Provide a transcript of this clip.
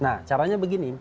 nah caranya begini